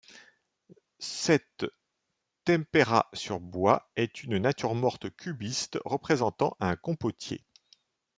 Cette tempera sur bois est une nature morte cubiste représentant un compotier.